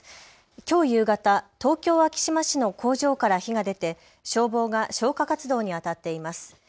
きょう夕方、東京昭島市の工場から火が出て消防が消火活動にあたっています。